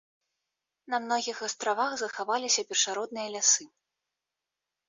На многіх астравах захаваліся першародныя лясы.